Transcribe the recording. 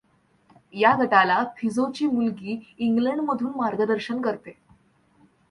या गटाला फिझोची मुलगी इंग्लंडमधून मार्गदर्शन करते.